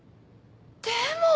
でも。